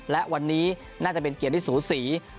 และวันนี้น่าจะเป็นเกมที่สูสี